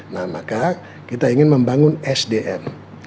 nah maka kita ingin membangun sdm